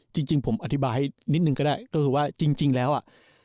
จริงผมอธิบายให้นิดนึงก็ได้ก็คือว่าจริงแล้วอ่ะ